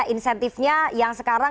apa insentifnya yang sekarang